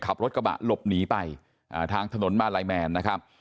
ขับรถกระบะหลบหนีไปทางถนนมาลัยแมนนะครับ